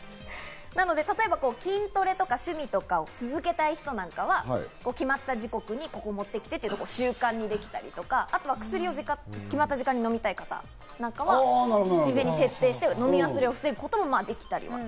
筋トレとか趣味とかを続けたい人なんかは、決まった時刻にここに持ってきてというと、習慣にできたり、あとは薬を決まった時間に飲みたい方なんかは事前に設定して、飲み忘れを防ぐこともできたり。